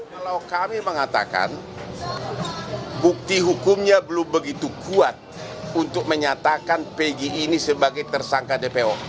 kalau kami mengatakan bukti hukumnya belum begitu kuat untuk menyatakan pg ini sebagai tersangka dpo